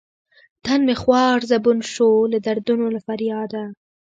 تن مې خوار زبون شو لۀ دردونو له فرياده